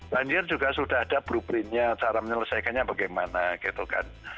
banjir juga sudah ada blueprintnya cara menyelesaikannya bagaimana gitu kan